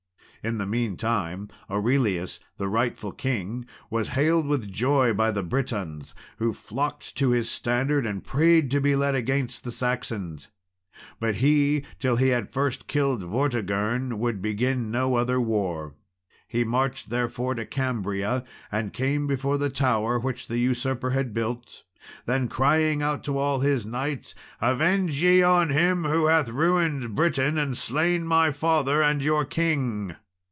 In the meantime, Aurelius, the rightful king, was hailed with joy by the Britons, who flocked to his standard, and prayed to be led against the Saxons. But he, till he had first killed Vortigern, would begin no other war. He marched therefore to Cambria, and came before the tower which the usurper had built. Then, crying out to all his knights, "Avenge ye on him who hath ruined Britain and slain my father and your king!"